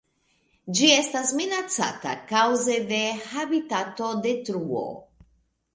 Ĝi estas minacata kaŭze de habitatodetruo.